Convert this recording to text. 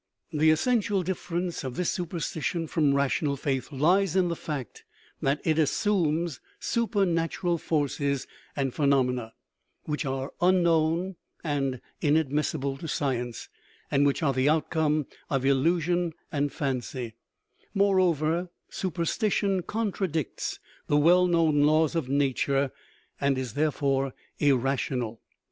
The essential difference of this superstition from rational faith lies in the fact that it assumes supernatural forces and phenomena, which are unknown and inadmissible to science, and which are the outcome of illusion and fancy; moreover, su perstition contradicts the well known laws of nature, and is therefore irrational.